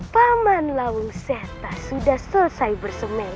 paman lawu seta sudah selesai bersemedi